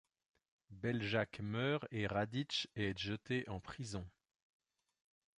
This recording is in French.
Beljak meurt et Radič est jeté en prison.